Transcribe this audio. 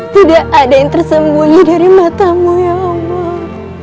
tidak ada yang tersembunyi dari matamu ya allah